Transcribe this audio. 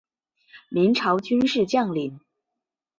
明朝军事将领。